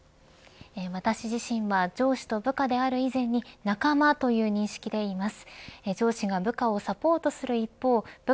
私自身は上司と部下である以前に仲間という認識でいます。